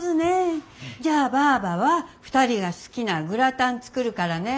じゃあバァバは２人が好きなグラタン作るからね。